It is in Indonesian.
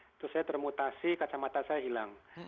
terus saya bermutasi kacamata saya hilang